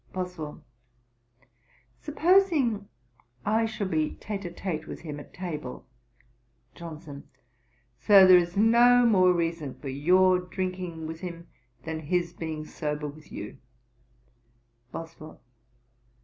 BOSWELL. 'Supposing I should be tête à tête with him at table.' JOHNSON. 'Sir, there is no more reason for your drinking with him, than his being sober with you.' BOSWELL.